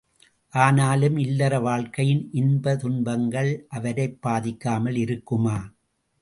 ஆனாலும், இல்லற வாழ்க்கையின் இன்ப துன்பங்கள் அவரைப் பாதிக்காமல் இருக்குமா?